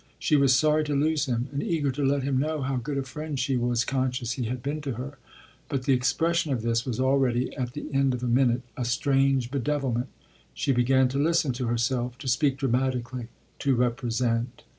She was sorry to lose him and eager to let him know how good a friend she was conscious he had been to her. But the expression of this was already, at the end of a minute, a strange bedevilment: she began to listen to herself, to speak dramatically, to represent.